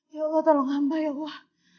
ya allah tolong hamba ya gue